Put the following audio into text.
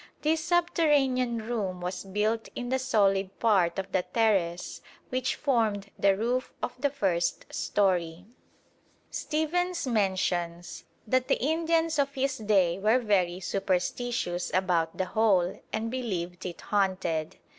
This subterranean room was built in the solid part of the terrace which formed the roof of the first storey. Stephens mentions that the Indians of his day were very superstitious about the hole and believed it haunted.